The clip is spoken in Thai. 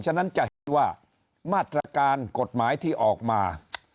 ฉะนั้นจะเห็นว่ามาตรการกฎหมายที่ออกมา